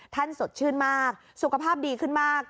สดชื่นมากสุขภาพดีขึ้นมาก